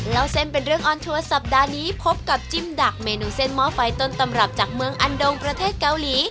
เล่าเส้นเป็นเรื่องออนทัวร์สัปดาห์นี้พบกับจิ้มดักเมนูเส้นหม้อไฟต้นตำรับจากเมืองอันดงประเทศเกาหลี